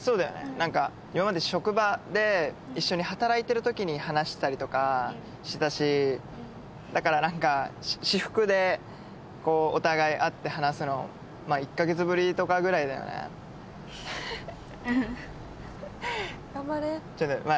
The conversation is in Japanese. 何か今まで職場で一緒に働いてるときに話したりとかしてたしだから何か私服でこうお互い会って話すのまあ１カ月ぶりとかぐらいだよねうんちょっとまあ